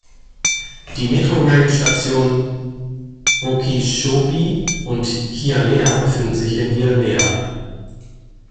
Die Metrorail-Stationen "Okeechobee" und "Hialeah" befinden sich in Hialeah.